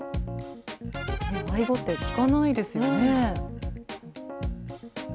アイゴって、聞かないですよね。